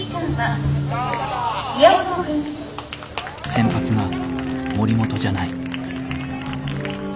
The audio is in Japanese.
先発が森本じゃない。